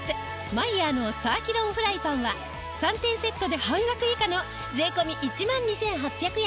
マイヤーのサーキュロンフライパンは３点セットで半額以下の税込１万２８００円。